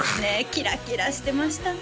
キラキラしてましたね